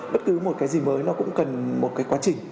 bất cứ một cái gì mới nó cũng cần một cái quá trình